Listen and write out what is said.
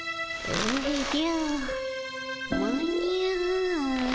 おじゃ！